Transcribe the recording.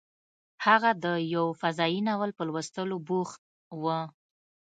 هغه د یو فضايي ناول په لوستلو بوخت و